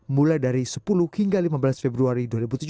mulai dari sepuluh hingga lima belas februari dua ribu tujuh belas